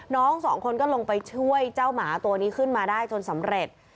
น้องสองคนก็ลงไปช่วยเจ้าหมาตัวนี้ขึ้นมาได้จนสำเร็จ